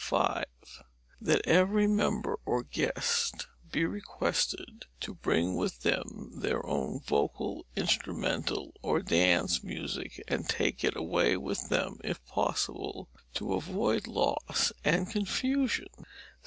RULE V. That every member or guest, be requested to bring with them their own vocal, instrumental, or dance music, and take it away with them, if possible, to avoid loss and confusion.